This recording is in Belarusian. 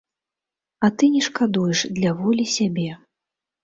А ты не шкадуеш для волі сябе.